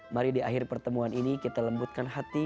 mari di akhir pertemuan ini kita lembutkan hati